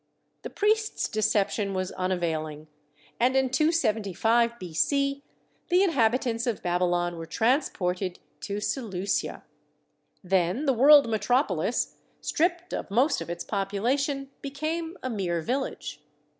The priests' deception was unavailing, .and in 275 B.C., the inhabitants of Babylon were transported to Seleucia. Then the world metrop olis, stripped of most of its population, became a mere village.